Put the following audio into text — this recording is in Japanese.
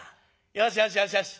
よしよしよしよし。